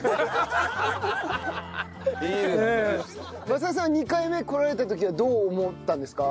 政江さん２回目来られた時はどう思ったんですか？